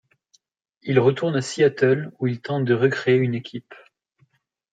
Il retourne à Seattle où il tente de recréer une équipe.